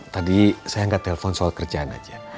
tadi saya angkat telepon soal kerjaan aja